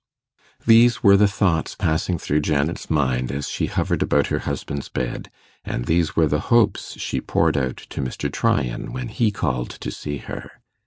These were the thoughts passing through Janet's mind as she hovered about her husband's bed, and these were the hopes she poured out to Mr. Tryan when he called to see her.